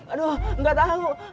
aduh gak tau